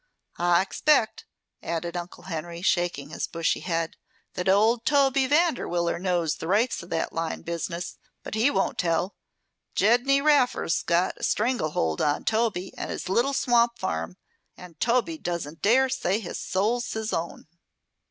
"I expect," added Uncle Henry, shaking his bushy head, "that old Toby Vanderwiller knows the rights of that line business; but he won't tell. Gedney Raffer's got a strangle hold on Toby and his little swamp farm, and Toby doesn't dare say his soul's his own.